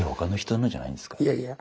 いやいや。